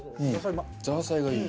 ザーサイがいい。